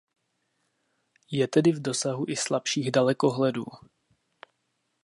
Je tedy v dosahu i slabších dalekohledů.